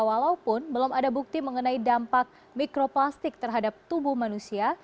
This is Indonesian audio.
walaupun belum ada bukti mengenai dampak mikroplastik terhadap tubuh manusia